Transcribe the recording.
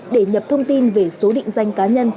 để nhập thông tin về số định danh cá nhân